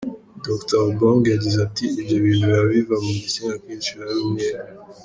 Dr Obong yagize ati “Ibyo bintu biba biva mu gitsina akenshi biba ari umweru.